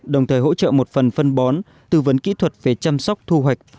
đồng thời hỗ trợ một phần phân bón tư vấn kỹ thuật về chăm sóc thu hoạch